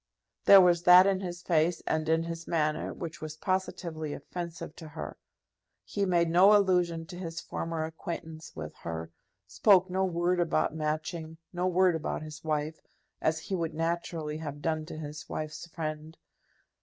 There was that in his face and in his manner which was positively offensive to her. He made no allusion to his former acquaintance with her, spoke no word about Matching, no word about his wife, as he would naturally have done to his wife's friend.